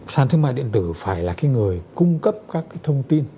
sàn thương mại điện tử phải là cái người cung cấp các cái thông tin